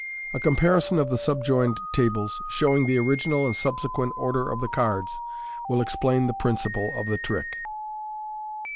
A comparison of the subjoined tables, showing the original and subsequent order of thf cards, will explain the principle of the trick.